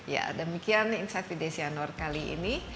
ya demikian insight with desi anwar kali ini